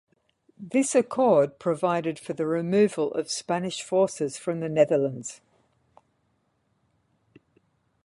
This accord provided for the removal of Spanish forces from the Netherlands.